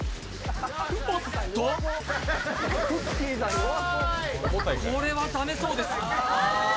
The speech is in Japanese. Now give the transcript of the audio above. おっと、これは駄目そうです。